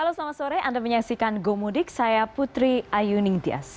halo selamat sore anda menyaksikan gomudik saya putri ayu ningtyas